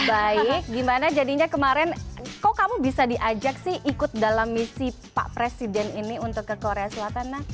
baik gimana jadinya kemarin kok kamu bisa diajak sih ikut dalam misi pak presiden ini untuk ke korea selatan nak